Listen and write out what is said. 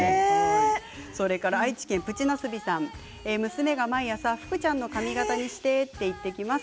愛知県の方娘が毎朝、福ちゃんの髪形にしてと言ってきます。